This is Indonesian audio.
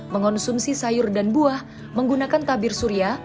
mengonsumsi sayur dan buah menggunakan tabir surya